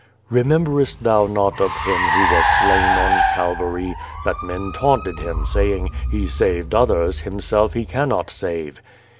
"Rememberest thou not of Him who was slain on Calvary, that men taunted Him, saying, * He saved others : Himself He cannot save